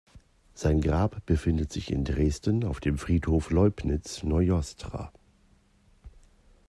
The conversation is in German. Sein Grab befindet sich in Dresden auf dem Friedhof Leubnitz-Neuostra.